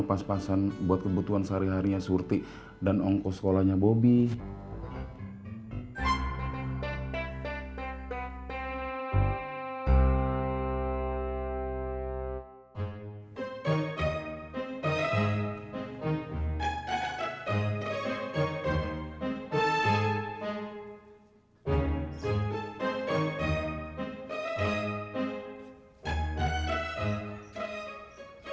cuma pas pasan buat kebutuhan sehari harinya surti dan ongkos sekolahnya bobby